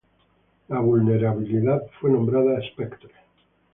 La vulnerabilidad fue nombrada Spectre.